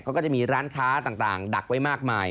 เขาก็จะมีร้านค้าต่างดักไว้มากมาย